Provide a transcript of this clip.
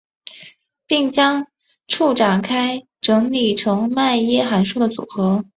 并将簇展开整理成迈耶函数的组合。